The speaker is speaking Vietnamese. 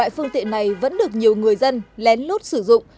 các phương tiện này vẫn được nhiều người dân lén lút xử dụng